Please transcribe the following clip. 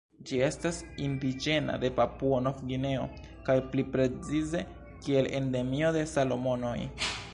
Ĝi estas indiĝena de Papuo-Novgvineo kaj pli precize kiel endemio de Salomonoj.